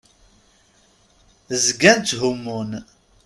Zgan tthumun.